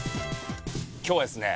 今日はですね